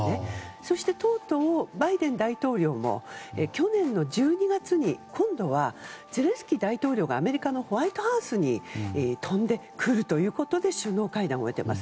そしてとうとうバイデン大統領も去年の１２月に今度はゼレンスキー大統領がアメリカのホワイトハウスに飛んで来るということで首脳会談を終えています。